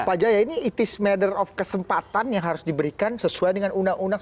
pak jaya ini it is matter of kesempatan yang harus diberikan sesuai dengan undang undang